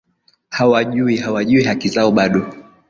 hawajui hawajui haki zao bado